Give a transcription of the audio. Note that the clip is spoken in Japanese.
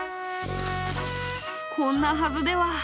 こんなはずでは。